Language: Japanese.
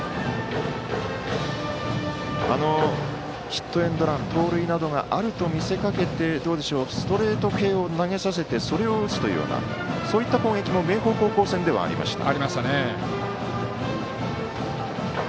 ヒットエンドラン、盗塁などがあると見せかけてストレート系を投げさせてそれを打つというようなそういった攻撃も明豊高校戦ではありました。